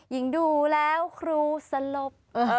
ดูแล้วครูสลบ